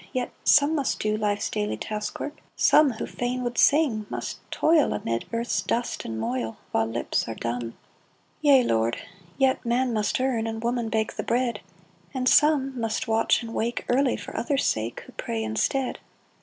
— Yet some must do Life's "daily task work ; some Who fain would sing, must toil Amid earth's dust and moil, While lips are dumb ! Yea, Lord !— Yet man must earn, And woman bake the bread ! And some must watch and wake Early, for others' sake. Who pray instead